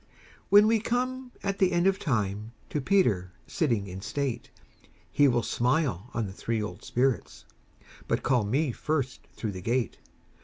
When we come at the end of time, To Peter sitting in state, He will smile on the three old spirits But call me first through the gate.